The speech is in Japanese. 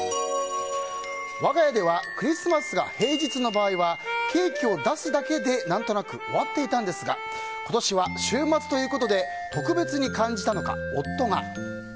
我が家ではクリスマスが平日の場合はケーキを出すだけで何となく終わっていたんですが今年は、週末ということで特別に感じたのか、夫が。